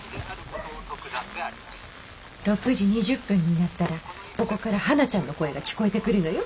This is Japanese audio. ６時２０分になったらここからはなちゃんの声が聞こえてくるのよ。